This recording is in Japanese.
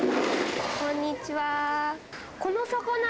こんにちは。